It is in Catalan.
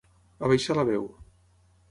Abaixar la veu.